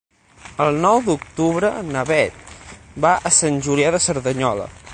El nou d'octubre na Beth va a Sant Julià de Cerdanyola.